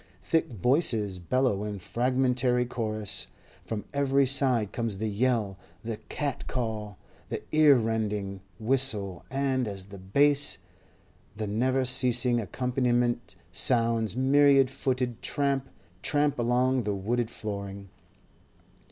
Thick voices bellow in fragmentary chorus; from every side comes the yell, the cat call, the ear rending whistle; and as the bass, the never ceasing accompaniment, sounds myriad footed tramp, tramp along the wooden flooring.